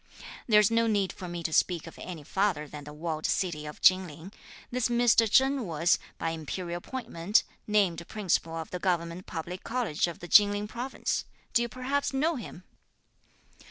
There's no need for me to speak of any farther than the walled city of Chin Ling. This Mr. Chen was, by imperial appointment, named Principal of the Government Public College of the Chin Ling province. Do you perhaps know him?"